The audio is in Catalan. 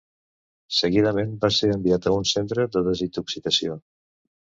Seguidament va ser enviat a un centre de desintoxicació.